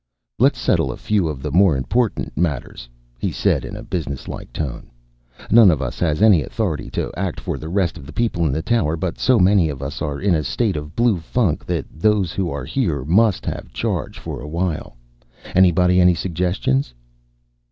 "Let's settle a few of the more important matters," he said in a businesslike tone. "None of us has any authority to act for the rest of the people in the tower, but so many of us are in a state of blue funk that those who are here must have charge for a while. Anybody any suggestions?"